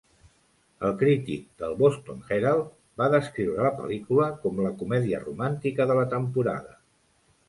El crític del "Boston Herald" va descriure la pel·lícula com "la comèdia romàntica de la temporada".